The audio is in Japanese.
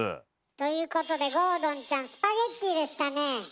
ということで郷敦ちゃんスパゲッティでしたねえ。